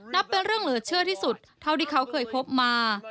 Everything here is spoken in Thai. นับเป็นเรื่องเหลือเชื่อที่สุดเท่าที่เขาเคยพบมา